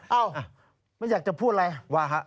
เอ้าไม่อยากจะพูดอะไร